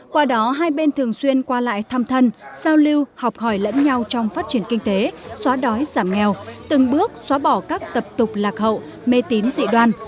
qua đó hai bên thường xuyên qua lại thăm thân giao lưu học hỏi lẫn nhau trong phát triển kinh tế xóa đói giảm nghèo từng bước xóa bỏ các tập tục lạc hậu mê tín dị đoan